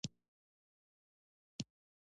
یو له مهمو کتابونو څخه یې د ښې اخلاقو کتاب دی.